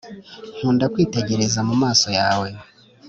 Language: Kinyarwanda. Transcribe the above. nkunda kwitegereza mumaso yawe